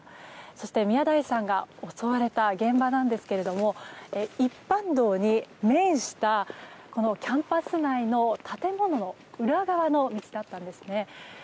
そして、宮台さんが襲われた現場ですが一般道に面したキャンパス内の建物の裏側の道でした。